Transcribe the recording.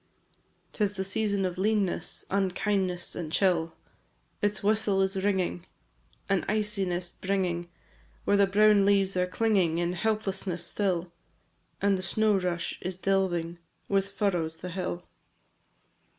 V. 'Tis the season of leanness, Unkindness, and chill; Its whistle is ringing, An iciness bringing, Where the brown leaves are clinging In helplessness, still, And the snow rush is delving With furrows the hill.